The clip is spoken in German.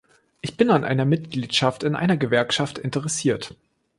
Ich bin an einer Mitgliedschaft in einer Gewerkschaft interessiert.